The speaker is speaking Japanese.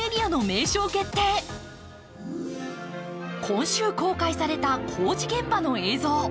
今週公開された工事現場の映像。